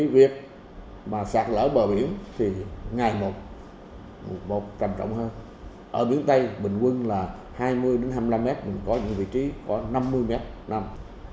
việc sạt lở bờ biển thì ngày một trầm trọng hơn ở biển tây bình quân là hai mươi hai mươi năm m có những vị trí có năm mươi m nằm